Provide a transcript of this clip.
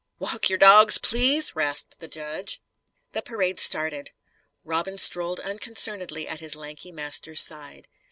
"Walk your dogs, please!" rasped the judge. The parade started. Robin strolled unconcernedly at his lanky master's side.